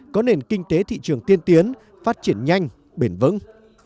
có nền kinh tế thị trường tiên tiến phát triển nhanh bền vững